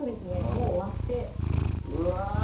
もう割ってうわぁ！